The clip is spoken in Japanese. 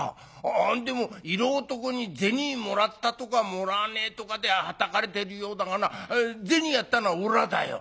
何でも色男に銭もらったとかもらわねえとかではたかれてるようだがな銭やったのはおらだよ。